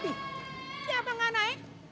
hei bapak pelatih